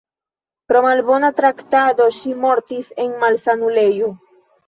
Pro malbona traktado ŝi mortis en malsanulejo.